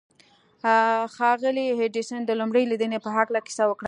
ښاغلي ايډېسن د لومړۍ ليدنې په هکله کيسه وکړه.